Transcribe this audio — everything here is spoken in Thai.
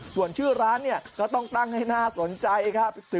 ส่วนชื่อร้านเนี่ยก็ต้องตั้งให้น่าสนใจครับ